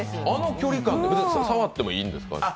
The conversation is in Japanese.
あの距離感って触ってもいいんですか？